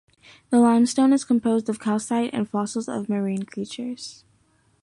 The limestone is composed of calcite and fossils of marine creatures.